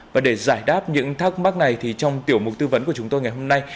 và để giải đáp những thắc mắc này thì trong tiểu mục tư vấn của chúng tôi ngày hôm nay